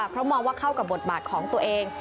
เพราะมองว่าเข้ากับบทบาทของตัวเอง